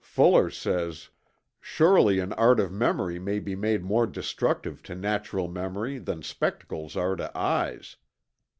Fuller says: "Surely an art of memory may be made more destructive to natural memory than spectacles are to eyes."